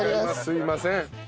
すいません。